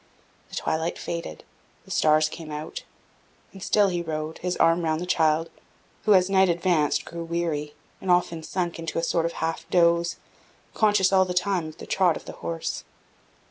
The twilight faded, the stars came out, and still he rode, his arm round the child, who, as night advanced, grew weary, and often sunk into a sort of half doze, conscious all the time of the trot of the horse.